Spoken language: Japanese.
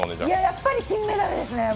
やっぱり金メダルですね。